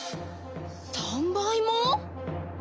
３倍も！